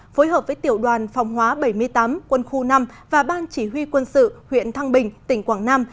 phối hợp với tiểu đoàn phòng hóa bảy mươi tám quân khu năm và ban chỉ huy quân sự huyện thăng bình tỉnh quảng nam